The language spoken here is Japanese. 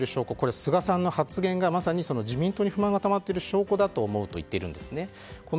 菅さんの発言が自民党に不満がたまっている証拠だと言っているんです。